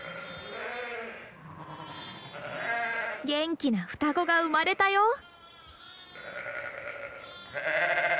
元気な双子が生まれたよ。